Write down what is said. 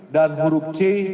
dan huruf c